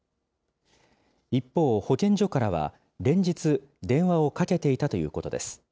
一方、保健所からは連日、電話をかけていたということです。